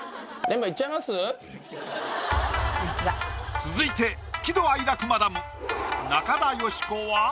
続いて喜怒哀楽マダム中田喜子は？